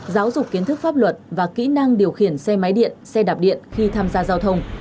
giáo dục kiến thức pháp luật và kỹ năng điều khiển xe máy điện xe đạp điện khi tham gia giao thông